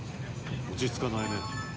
「落ち着かないね」